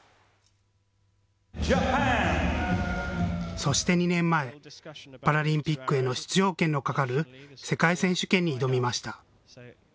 そして２年前、パラリンピックへの出場権のかかる世界選手権に挑みました。